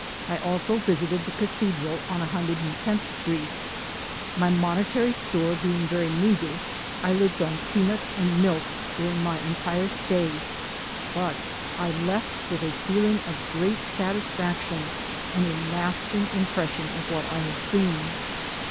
I also visited the Cathedral on 110th Street. My mone tary store being very meager, I lived on peanut^ and milk during my entire stay, but I left with a feeling of great satisfaction and with a lasting im pression of what I had seen.